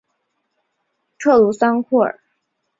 特鲁桑库尔。